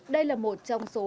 đây là một trong số